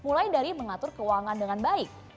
mulai dari mengatur keuangan dengan baik